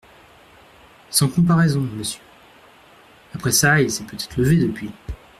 Sans comparaison, monsieur ; après ça, il s’est peut-être levé depuis…